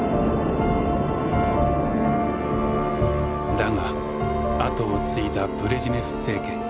だが後を継いだブレジネフ政権。